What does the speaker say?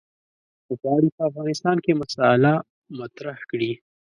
غواړي په افغانستان کې مسأله مطرح کړي.